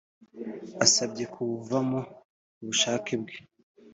asabye kuwuvamo ku bushake bwe